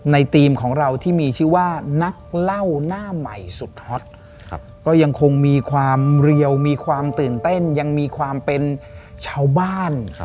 ทีมของเราที่มีชื่อว่านักเล่าหน้าใหม่สุดฮอตก็ยังคงมีความเรียวมีความตื่นเต้นยังมีความเป็นชาวบ้าน